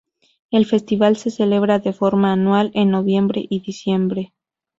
El festival se celebra de forma anual en noviembre y diciembre.